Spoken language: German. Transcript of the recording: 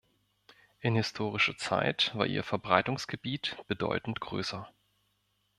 In historischer Zeit war ihr Verbreitungsgebiet bedeutend größer.